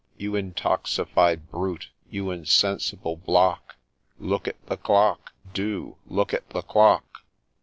You intoxified brute !— you insensible block !— Look at the Clock !— Do !— Look at the Clock